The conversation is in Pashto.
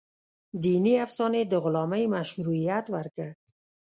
دیني افسانې د غلامۍ مشروعیت ورکړ.